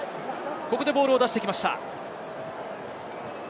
ここでボールを出してきました。